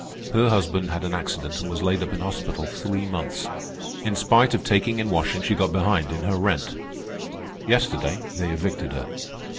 Her husband had an accident and was laid up in hospital three months. In spite of taking in washing, she got behind in her rent. Yesterday they evicted her.